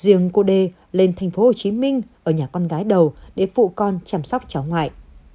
riêng cô đề lên thành phố hồ chí minh ở nhà con gái đầu để phụ con chăm sóc cháu ngoại